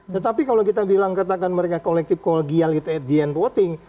tetapi kalau kita bilang katakan mereka kolektif kolegial gitu at the end voting